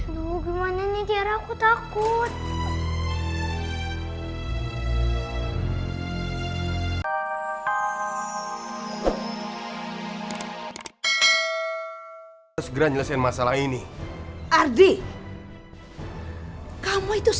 tiara buka pintu